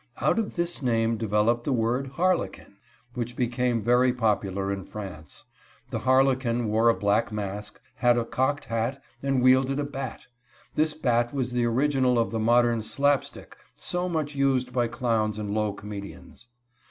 Out of this name developed the word Harlequin, which became very popular in France. The Harlequin wore a black mask, had a cocked hat, and wielded a bat. This bat was the original of the modern slap stick so much used by clowns and low comedians.